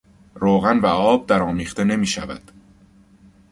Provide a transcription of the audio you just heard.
روغن و آب درآمیخته نمیشود.